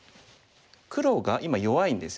黒が今弱いんですよね。